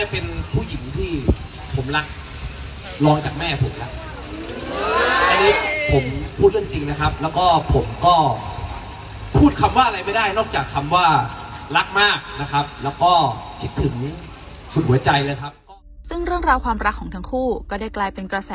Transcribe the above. เพราะว่าจริงแล้วเนี่ยเป็นผู้หญิงที่ผมรัก